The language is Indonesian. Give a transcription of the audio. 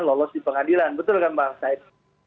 lolos di pengadilan betul kan bang said